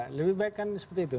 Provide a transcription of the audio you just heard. ya lebih baik kan seperti itu